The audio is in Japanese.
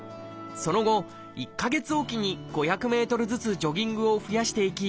その後１か月置きに５００メートルずつジョギングを増やしていき